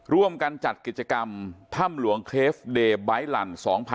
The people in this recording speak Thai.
ร่วมกันจัดกิจกรรมถ้ำหลวงเคลฟเดย์ไบท์หลั่น๒๕๖๒